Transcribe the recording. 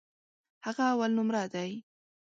هغه اولنومره دی.